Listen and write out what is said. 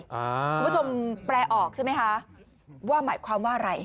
คุณผู้ชมแปลออกใช่ไหมคะว่าหมายความว่าอะไร